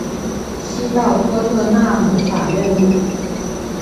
西到托特纳姆法院路。